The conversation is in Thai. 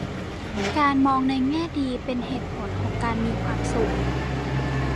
การมองในแง่ดีเป็นเหตุผลของการมีความสุข